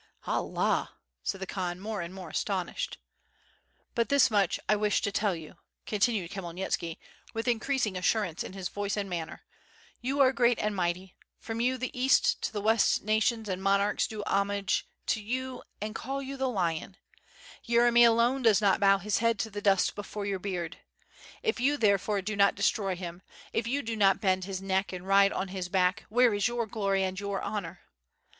"Allah!" said the Khan, more and more astonished. "But this much I wish to tell you," continued Khmyel nitski, with increasing assurance in voice and manner, "you are great and mighty, from the east to the west nations and monarchs do homage to you and call you 'the Lion,' Yere my alone does not bow his head to the dust before your beard. If you therefore do not destroy him, if you do not bend his neck and ride on his back, where is your glory and your honor?